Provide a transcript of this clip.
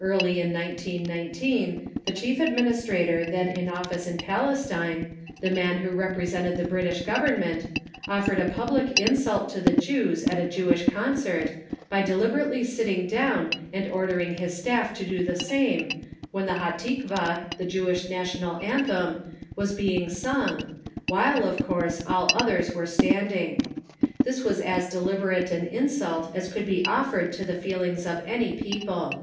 Early in 1919 the Chief Administrator then in office in Palestine, the man who represented the British Government, offered a public insult to the Jews at a Jewish Concert, by deliberately sitting down and ordering his staff to do the same when the Hatikvah, the Jewish national hymn, was being sung, while, of course, all others were standing. This was as deliberate an insult as could be offered to the feelings of any people.